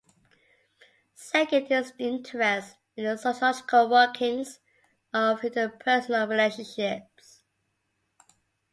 Second is his interest in the sociological workings of interpersonal relationships.